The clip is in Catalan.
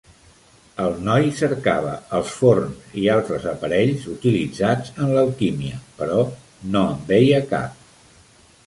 El noi cercava els forns i altres aparells utilitzats en l'alquímia, però no en veia cap.